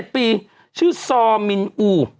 ๑ปีชื่อซอมินอู